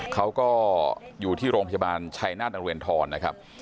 เขาก็อยู่ที่โรงพยาบาลชัยนาธนเรนทรนะครับ